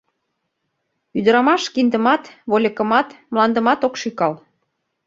Ӱдырамаш киндымат, вольыкымат, мландымат ок шӱкал.